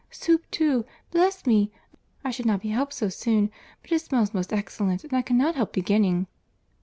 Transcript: Soup too! Bless me! I should not be helped so soon, but it smells most excellent, and I cannot help beginning."